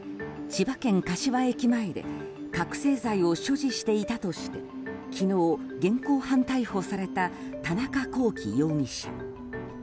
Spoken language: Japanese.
千葉県柏駅前で覚醒剤を所持していたとして昨日、現行犯逮捕された田中聖容疑者。